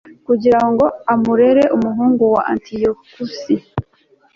kugira ngo amurerere umuhungu we antiyokusi